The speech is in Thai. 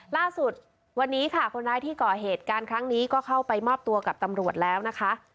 ล่าสุดวันนี้ค่ะคนร้ายที่ก่อเหตุการณ์ครั้งนี้ก็เข้าไปมอบตัวกับตำรวจแล้วนะคะ